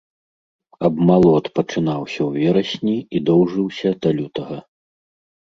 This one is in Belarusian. Абмалот пачынаўся ў верасні і доўжыўся да лютага.